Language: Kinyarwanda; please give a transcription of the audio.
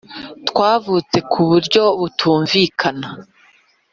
Twavutse ku buryo butumvikana,